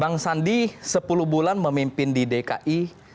bang sandi sepuluh bulan memimpin di dki